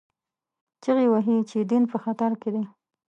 چیغې وهي چې دین په خطر کې دی